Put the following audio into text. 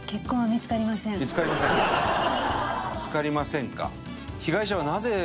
「見つかりません」か。